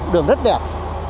đường rất đẹp